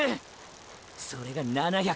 それが７００や！！